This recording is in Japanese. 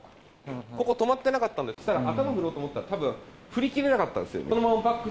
ここ、止まってなかったんで、頭振ろうと思って、たぶん、振り切れなかったんですよ。